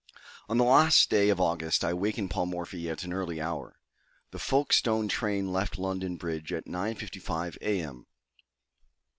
On the last day of last August, I awakened Paul Morphy at an early hour. The Folkestone train left London Bridge at 9 55 A. M.